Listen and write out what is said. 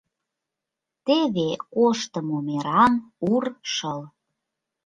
Теве коштымо мераҥ, ур шыл.